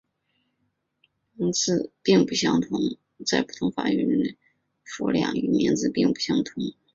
在不同的语法书中这些格的数量与名字并不相同。